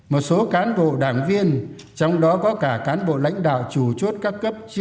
một số cán bộ đảng viên trong đó có cả cán bộ lãnh đạo chủ chốt các cấp